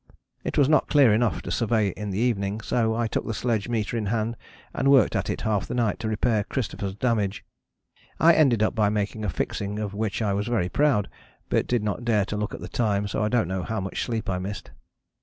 It was not clear enough to survey in the evening, so I took the sledge meter in hand and worked at it half the night to repair Christopher's damage. I ended up by making a fixing of which I was very proud, but did not dare to look at the time, so I don't know how much sleep I missed.